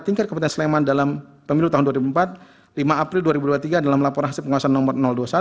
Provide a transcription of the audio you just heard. tingkat kepentingan sleman dalam pemilu tahun dua ribu empat lima april dua ribu dua puluh tiga dalam laporan hasil penguasaan nomor dua puluh satu